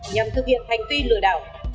nhằm thực hiện hành tinh lừa đảo